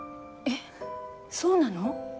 えっそうなの？